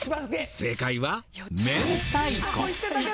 正解は明太子！